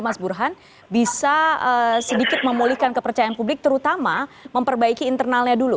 mas burhan bisa sedikit memulihkan kepercayaan publik terutama memperbaiki internalnya dulu